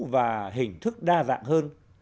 và hình thức đa dạng hơn